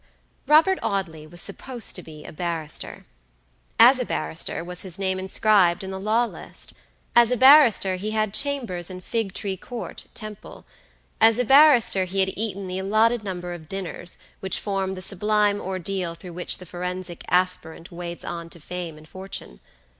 Robert Audley was supposed to be a barrister. As a barrister was his name inscribed in the law list; as a barrister he had chambers in Figtree Court, Temple; as a barrister he had eaten the allotted number of dinners, which form the sublime ordeal through which the forensic aspirant wades on to fame and fortune.